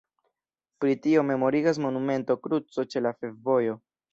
Pri tio memorigas monumento kruco ĉe la ĉefvojo.